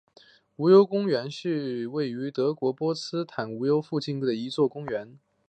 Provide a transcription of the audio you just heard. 无忧宫公园是位于德国波茨坦无忧宫附近的一座公园。